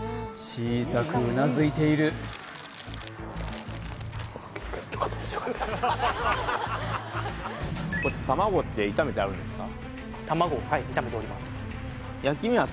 小さくうなずいているこれ卵って炒めてあるんですか？